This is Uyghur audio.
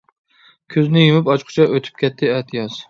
كۆزنى يۇمۇپ ئاچقۇچە، ئۆتۈپ كەتتى ئەتىياز.